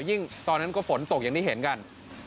ตอนนั้นก็ฝนตกอย่างที่เห็นกัน